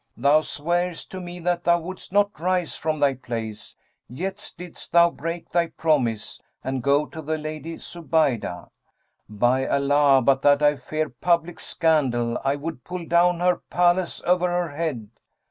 Thou swarest to me that thou wouldst not rise from thy place; yet didst thou break thy promise and go to the Lady Zubaydah. By Allah, but that I fear public scandal, I would pull down her palace over her head!'